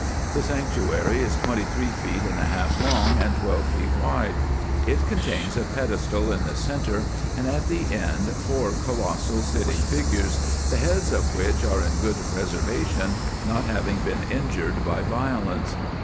The sanctuary is twenty three feet and a half long, and twelve feet wide. It contains a pedestal in the centre, and at the end four colossal sitting figures, the heads of which are in good preservation, not having been injured by violence.